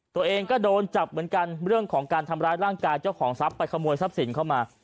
ตัวเองก็โดนจับเหมือนกันเรื่องของการทำร้ายร่างกายเจ้าของทรัพย์ไปขโมยทรัพย์สินเข้ามา